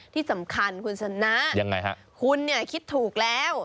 ที่สำคัญคุณชนะยังไงฮะคุณเนี่ยคิดถูกแล้ว